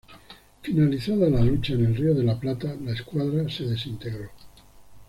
Finalizada la lucha en el Río de la Plata, la escuadra se desintegró.